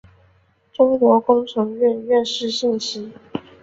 中国工程院院士信息